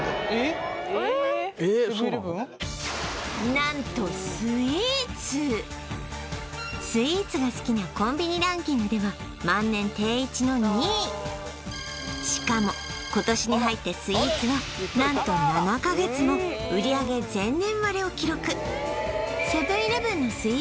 何とスイーツが好きなコンビニランキングでは万年定位置の２位しかも今年に入ってスイーツは何と７か月も売上前年割れを記録